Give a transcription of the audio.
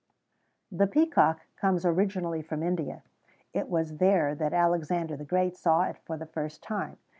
The peacock comes originally from India: it was there that Alexander the Great saw it for the first time.